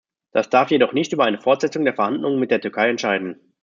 Das darf jedoch nicht über eine Fortsetzung der Verhandlungen mit der Türkei entscheiden.